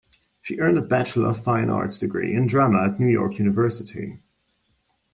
She earned a Bachelor of Fine Arts degree in drama at New York University.